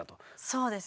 そうですね。